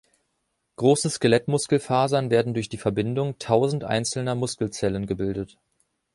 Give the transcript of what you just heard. Große Skelettmuskelfasern werden durch die Verbindung tausend einzelner Muskelzellen gebildet.